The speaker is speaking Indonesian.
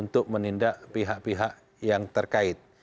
tidak pihak pihak yang terkait